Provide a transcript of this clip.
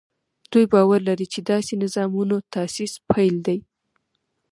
دوی باور لري چې داسې نظامونو تاسیس پیل دی.